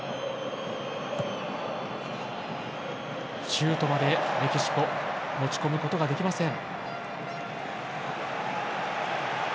シュートまでメキシコ持ち込むことができません。